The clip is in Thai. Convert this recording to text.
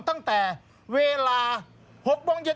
ตั้งแต่เวลา๖โมงเย็น